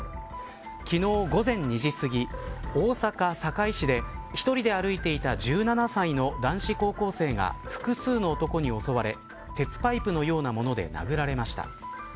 昨日、午前２時すぎ大阪、堺市で１人で歩いていた１７歳の男子高校生が複数の男に襲われ鉄パイプのようなもので殴られました。